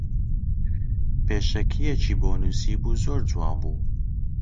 پێشەکییەکی بۆ نووسیبوو زۆر جوان بوو